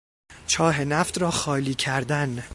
چاه نفت را خالی کردن